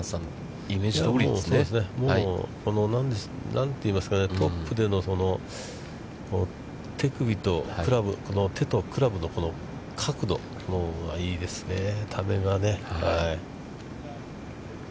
何といいますかね、トップでの手首とこの手とクラブの角度、いいですね、ためがね。